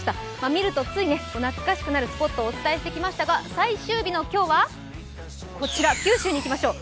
見るとつい懐かしくなるスポットをお伝えしてきましたが最終日の今日は九州にいきましょう。